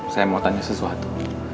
saya mau tanya sesuatu